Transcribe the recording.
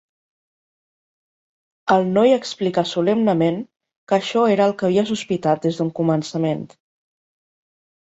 El noi explica solemnement que això era el que havia sospitat des d'un començament.